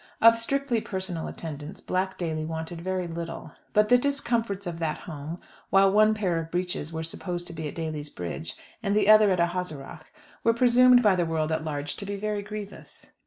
Of strictly personal attendance Black Daly wanted very little; but the discomforts of that home, while one pair of breeches were supposed to be at Daly's Bridge, and the others at Ahaseragh, were presumed by the world at large to be very grievous.